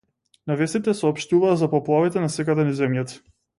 На вестите соопштуваа за поплавите насекаде низ земјата.